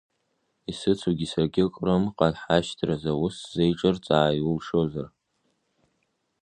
Исыцугьы саргьы Крымҟа ҳашьҭразы аус сзеиҿырцаа, иулшозар.